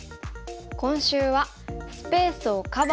今週は「スペースをカバーする」。